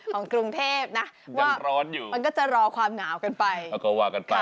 ก็ก็รอกันต่อ